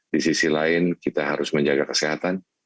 di sisi lain kita harus menjaga kesehatan